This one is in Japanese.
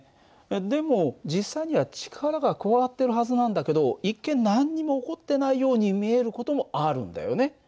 でも実際には力が加わってるはずなんだけど一見何にも起こってないように見える事もあるんだよね。